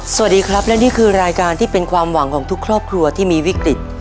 สวัสดีครับและนี่คือรายการที่เป็นความหวังของทุกครอบครัวที่มีวิกฤต